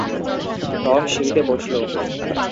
Tom সিঁড়িতে বসলো।